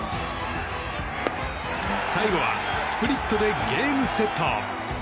最後はスプリットでゲームセット！